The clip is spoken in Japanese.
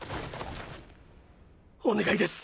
お願いです